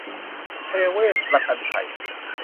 เทเวศน์ประกันภัย